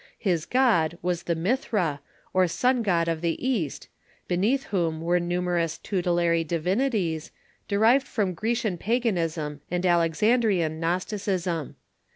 His god was the Mithra, or sun god of the East, beneath whom Avere numer ous tutelary divinities, derived from Grecian paganism and Alexandrian Gnosticism.